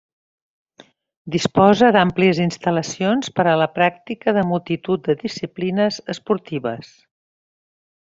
Disposa d'àmplies instal·lacions per a la pràctica de multitud de disciplines esportives.